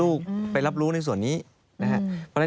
ลูกไปรับรู้ในส่วนนี้นะครับ